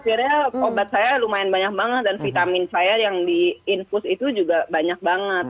jadi akhirnya obat saya lumayan banyak banget dan vitamin saya yang di infus itu juga banyak banget